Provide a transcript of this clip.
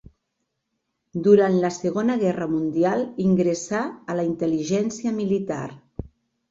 Durant la Segona Guerra Mundial ingressà a la intel·ligència militar.